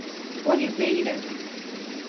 Oliveira